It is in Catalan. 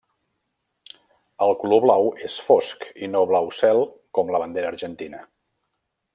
El color blau és fosc i no blau cel com la bandera argentina.